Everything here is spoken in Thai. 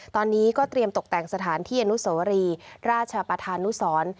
ตอนนี้ก็เตรียมตกแต่งสถานที่อนุสวรีราชประธานุสร